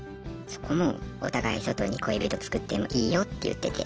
そこもお互い外に恋人作ってもいいよって言ってて。